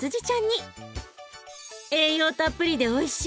栄養たっぷりでおいしい。